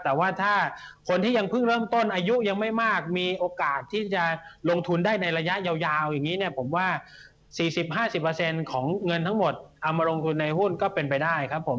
แต่ว่าถ้าคนที่ยังเพิ่งเริ่มต้นอายุยังไม่มากมีโอกาสที่จะลงทุนได้ในระยะยาวอย่างนี้เนี่ยผมว่า๔๐๕๐ของเงินทั้งหมดเอามาลงทุนในหุ้นก็เป็นไปได้ครับผม